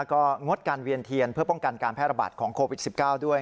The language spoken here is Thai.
ก็งดการเวียนเทียนเพื่อป้องกันการแพร่ระบาดของโควิด๑๙ด้วย